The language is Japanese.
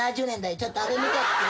ちょっとあれ見てやってくれ。